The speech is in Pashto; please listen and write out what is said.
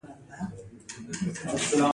_دا سړی څه کوې؟